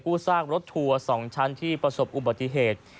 ซากรถทัวร์๒ชั้นที่ประสบอุบัติเหตุ